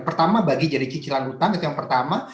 pertama bagi jadi cicilan hutang itu yang pertama